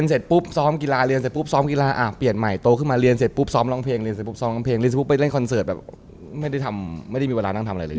เสร็จปุ๊บซ้อมกีฬาเรียนเสร็จปุ๊บซ้อมกีฬาเปลี่ยนใหม่โตขึ้นมาเรียนเสร็จปุ๊บซ้อมร้องเพลงเรียนเสร็จปุ๊บซ้อมเพลงเรียนสปุไปเล่นคอนเสิร์ตแบบไม่ได้ทำไม่ได้มีเวลานั่งทำอะไรเลย